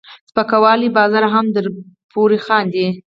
سپکوالی او بازار هم درپورې خاندي.